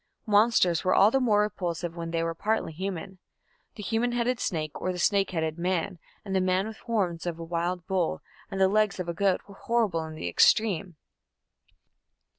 Monsters were all the more repulsive when they were partly human. The human headed snake or the snake headed man and the man with the horns of a wild bull and the legs of a goat were horrible in the extreme.